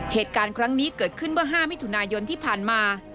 เหตุการณ์ครั้งนี้เกิดขึ้นเมื่อ๕มิถุนายนที่ผ่านมา